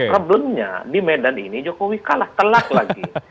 problemnya di medan ini jokowi kalah telak lagi